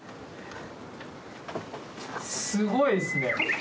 すごいですね。